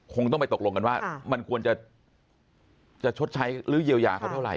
คงต้องไปตกลงกันว่ามันควรจะชดใช้หรือเยียวยาเขาเท่าไห